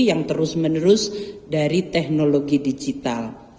yang terus menerus dari teknologi digital